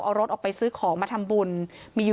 เอารถออกไปซื้อของมาทำบุญ